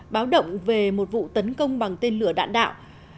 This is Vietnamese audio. báo động về một vụ tấn công bằng tên lửa đạn đạo